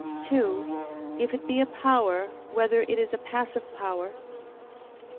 (2) If it be a power, whether it is a passive power?